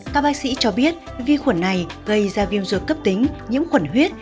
các bác sĩ cho biết vi khuẩn này gây ra viêm ruột cấp tính nhiễm khuẩn huyết